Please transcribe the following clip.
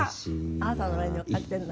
あなたの上に乗っかってるの？